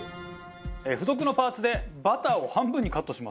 付属のパーツでバターを半分にカットします。